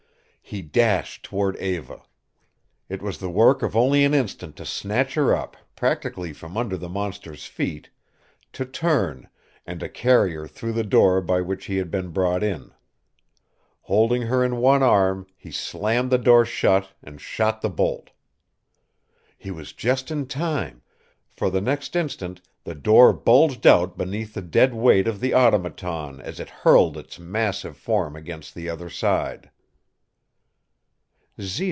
He dashed toward Eva. It was the work of only an instant to snatch her up, practically from under the monster's feet, to turn, and to carry her through the door by which he had been brought in. Holding her in one arm, he slammed the door shut and shot the bolt. He was just in time, for the next instant the door bulged out beneath the dead weight of the Automaton as it hurled its massive form against the other side.